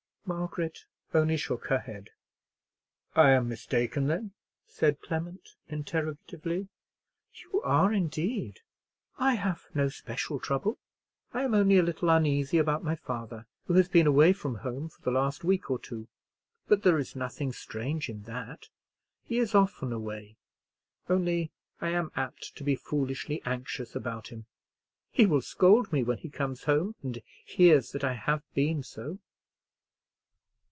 Margaret only shook her head. "I am mistaken, then?" said Clement, interrogatively. "You are indeed. I have no special trouble. I am only a little uneasy about my father, who has been away from home for the last week or two. But there is nothing strange in that; he is often away. Only I am apt to be foolishly anxious about him. He will scold me when he comes home and hears that I have been so."